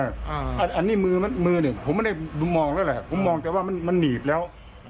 อันนี้มือหนึ่งผมไม่ได้มองแล้วแหละผมมองแต่ว่ามันหนีบแล้ว